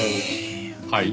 はい？